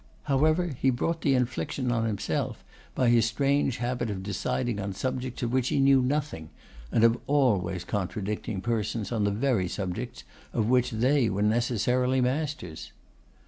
However, he brought the infliction on himself by his strange habit of deciding on subjects of which he knew nothing, and of always contradicting persons on the very subjects of which they were necessarily masters.